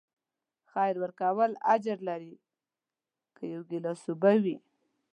خیر ورکول اجر لري، که یو ګیلاس اوبه وي.